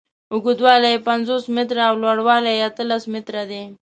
اوږدوالی یې پنځوس متره او لوړوالی یې اتلس متره دی.